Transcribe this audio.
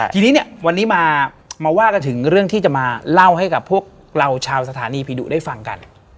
ทีนี้เนี่ยวันนี้มาว่ากันถึงเรื่องที่จะมาเล่าให้กับพวกเราชาวสถานีผีดุได้ฟังกัน